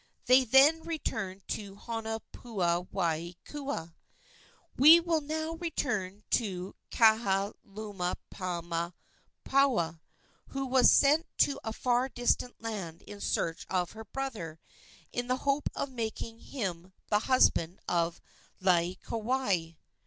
They then returned to Honopuwaiakua. We will now return to Kahalaomapuana, who was sent to a far distant land in search of her brother, in the hope of making him the husband of Laieikawai.